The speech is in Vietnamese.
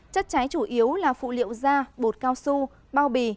chất cháy chủ yếu là phụ liệu da bột cao su bao bì